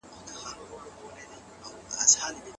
تاسو د تاریخ په اوږدو کې د افغانانو بریاوې ولولئ.